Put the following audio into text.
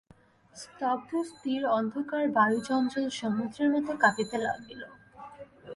স্তব্ধ স্থির অন্ধকার বায়ুচঞ্চল সমুদ্রের মতো কাঁপিতে লাগিল।